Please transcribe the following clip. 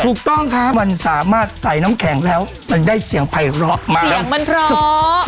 ถูกต้องครับมันสามารถใส่น้ำแข็งแล้วมันได้เสียงภัยร้อมากเสียงมันเพราะ